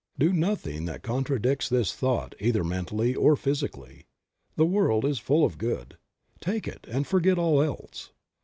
Do nothing that contradicts this thought either mentally or physically. The world is full of good ; take it and forget all else.